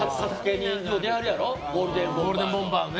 ゴールデンボンバーの。